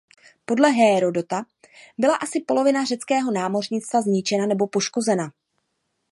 Podle Hérodota byla asi polovina řeckého námořnictva zničena nebo poškozena.